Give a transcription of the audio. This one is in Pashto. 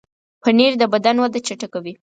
پنېر د بدن وده چټکوي.